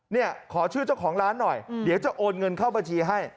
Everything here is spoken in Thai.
เนี่ยขอชื่อเจ้าของร้านหน่อยเดี๋ยวจะโอนเงินเข้าบัญชีให้